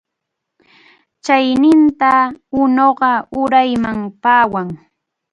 Chayninta unuqa urayman phawan.